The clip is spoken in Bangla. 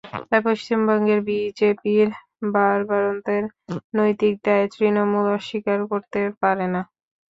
তাই পশ্চিমবঙ্গে বিজেপির বাড়বাড়ন্তের নৈতিক দায় তৃণমূল অস্বীকার করতে পারে না।